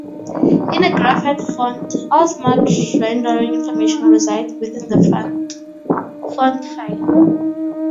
In a Graphite font, all smart rendering information resides within the font file.